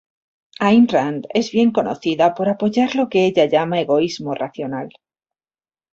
Ayn Rand es bien conocida por apoyar lo que ella llama "egoísmo racional".